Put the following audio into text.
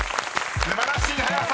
［素晴らしい早さ。